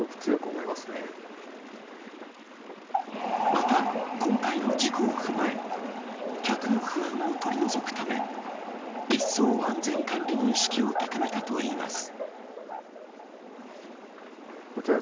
また、今回の事故を踏まえ客の不安を取り除くためいっそう完全管理の意識を高めたといいます。